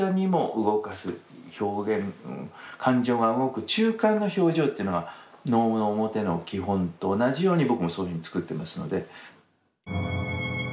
感情が動く中間の表情っていうのが能の面の基本と同じように僕もそういうふうに作ってますので。